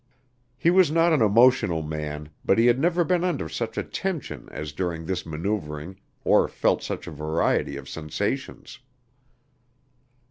He was not an emotional man, but he had never been under such a tension as during this manoeuvering or felt such a variety of sensations.